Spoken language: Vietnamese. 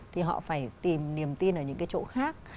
thì họ phải tìm niềm tin ở những cái chỗ khác